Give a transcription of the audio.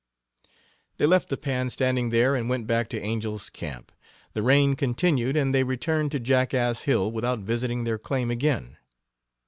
They left the pan standing there and went back to Angel's Camp. The rain continued and they returned to jackass Hill without visiting their claim again.